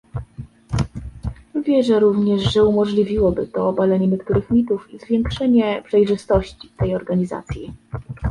Wierzę również, że umożliwiłoby to obalenie niektórych mitów i zwiększenie przejrzystości tej organizacji